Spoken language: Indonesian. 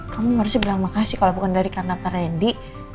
kamu harusnya bilang makasih kalau bukan dari karena pak randy